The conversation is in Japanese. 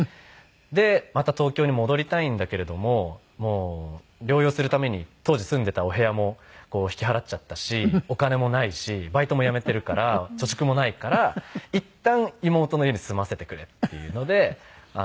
でまた東京に戻りたいんだけれどももう療養するために当時住んでたお部屋も引き払っちゃったしお金もないしバイトも辞めてるから貯蓄もないからいったん妹の家に住ませてくれっていうので。